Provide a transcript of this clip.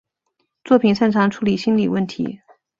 作品擅长处理心理问题。